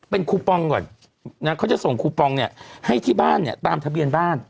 เป็นคูปองก่อนนะเขาจะส่งคูปองเนี่ยให้ที่บ้านเนี่ยตามทะเบียนบ้าน